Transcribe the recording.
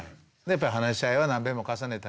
やっぱり話し合いは何べんも重ねたり